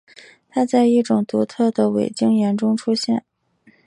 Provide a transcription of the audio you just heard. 它在一种独特的伟晶岩中出现。